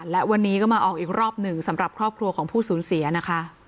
และวันนี้ก็มาออกอีกรอบหนึ่งสำหรับครอบครัวของผู้สูญเสียนะคะ